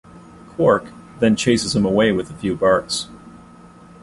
Quark then chases him away with a few barks.